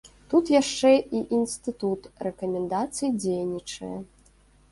Тут яшчэ і інстытут рэкамендацый дзейнічае.